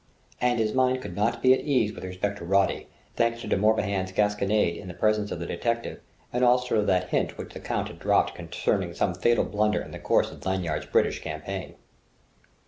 And his mind could not be at ease with respect to Roddy, thanks to De Morbihan's gasconade in the presence of the detective and also to that hint which the Count had dropped concerning some fatal blunder in the course of Lanyard's British campaign.